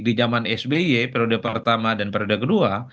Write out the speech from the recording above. di zaman sby periode pertama dan periode kedua